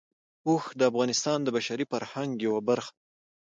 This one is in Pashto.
اوښ د افغانستان د بشري فرهنګ یوه برخه ده.